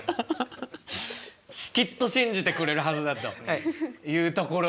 きっと信じてくれるはずだというところで。